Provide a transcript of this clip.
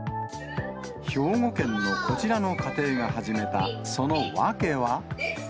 兵庫県のこちらの家庭が始めたその訳は。